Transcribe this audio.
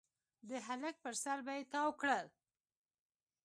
د هلک پر سر به يې تاو کړل.